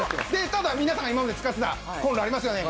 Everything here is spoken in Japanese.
ただ皆さんが今まで使ってたコンロありますよね？